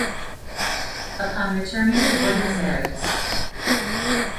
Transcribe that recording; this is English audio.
Upon returning to Buenos Aires.